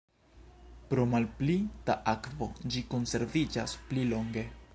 Pro malpli da akvo ĝi konserviĝas pli longe.